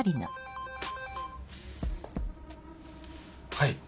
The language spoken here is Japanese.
はい。